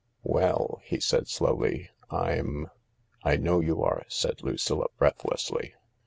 " Well," he said slowly, " I'm ..."" I know you are," said Lucilla breathlessly.